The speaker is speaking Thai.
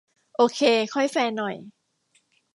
โอเค ค่อยแฟร์หน่อย